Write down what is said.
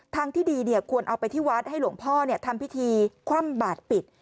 ทางที่ดีควรเอาไปที่วัดให้หลวงพ่อทำพิธีคว่ำบาดปิด